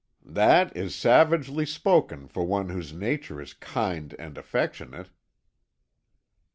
"That is savagely spoken for one whose nature is kind and affectionate."